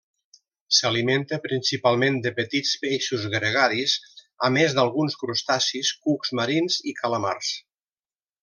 S'alimenta principalment de petits peixos gregaris, a més d'alguns crustacis, cucs marins i calamars.